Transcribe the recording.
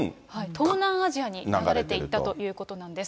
東南アジアに流れていったということなんです。